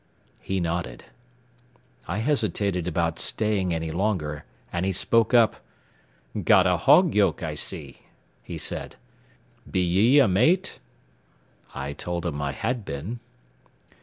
He nodded. I hesitated about staying any longer, and he spoke up. "Got a hog yoke, I see," he said, "Be ye a mate?" I told him I had been.